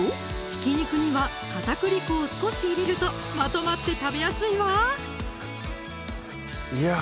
ひき肉には片栗粉を少し入れるとまとまって食べやすいわいや